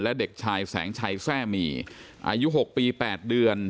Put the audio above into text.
และเด็กชายแสงชัยแทร่มีอายุ๖ปี๘เดือน